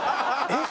えっ？